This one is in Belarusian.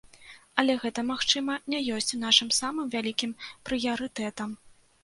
Але гэта, магчыма, не ёсць нашым самым вялікім прыярытэтам.